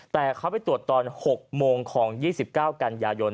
แต่เขาไปตรวจตอน๖โมงของ๒๙กันยายน